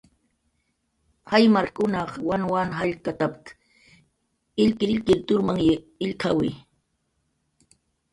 "Jaymarkkunaq wanwan jallkatp""t"" illkirillkir turmany illk""awi "